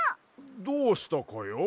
どうしたかや？